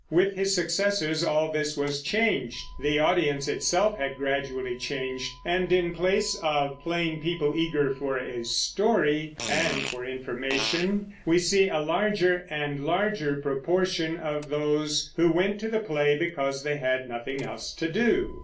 With his successors all this was changed. The audience itself had gradually changed, and in place of plain people eager for a story and for information, we see a larger and larger proportion of those who went to the play because they had nothing else to do.